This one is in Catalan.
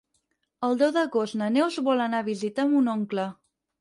El deu d'agost na Neus vol anar a visitar mon oncle.